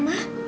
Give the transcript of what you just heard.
mama apa sih